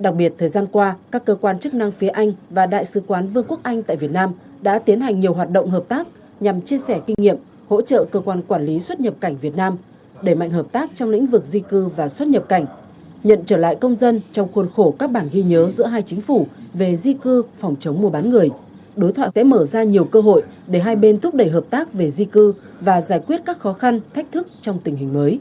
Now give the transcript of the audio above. đặc biệt thời gian qua các cơ quan chức năng phía anh và đại sứ quán vương quốc anh tại việt nam đã tiến hành nhiều hoạt động hợp tác nhằm chia sẻ kinh nghiệm hỗ trợ cơ quan quản lý xuất nhập cảnh việt nam đẩy mạnh hợp tác trong lĩnh vực di cư và xuất nhập cảnh nhận trở lại công dân trong khuôn khổ các bảng ghi nhớ giữa hai chính phủ về di cư phòng chống mua bán người đối thoại sẽ mở ra nhiều cơ hội để hai bên thúc đẩy hợp tác về di cư và giải quyết các khó khăn thách thức trong tình hình mới